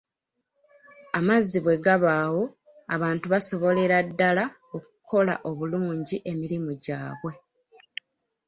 Amazzi bwe gabaawo abantu basobolera ddala okukola obulungi emirimu gyabwe.